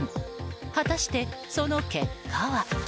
果たして、その結果は？